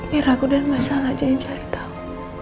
biar aku dan mas al aja yang cari tahu